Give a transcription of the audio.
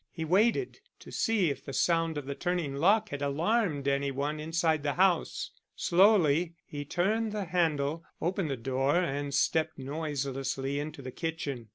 He waited to see if the sound of the turning lock had alarmed any one inside the house. Slowly he turned the handle, opened the door and stepped noiselessly into the kitchen.